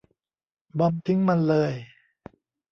บอมบ์ทิ้งมันเลย !